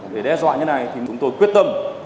để đe dọa như này thì chúng tôi quyết tâm